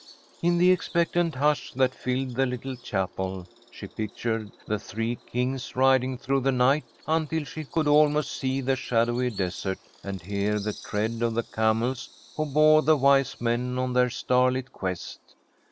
In the expectant hush that filled the little chapel, she pictured the three kings riding through the night, until she could almost see the shadowy desert and hear the tread of the camels who bore the wise men on their starlit quest.